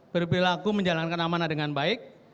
berperilaku menjalankan amanah dengan baik